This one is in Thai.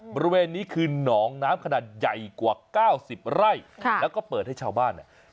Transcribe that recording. บริเวณนี้คือหนองน้ำขนาดใหญ่กว่า๙๐ไร่แล้วก็เปิดให้ชาวบ้านเนี่ย